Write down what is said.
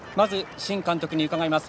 新監督に伺います。